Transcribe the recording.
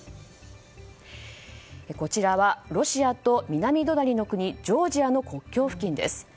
こちらはロシアと南隣の国ジョージアの国境付近です。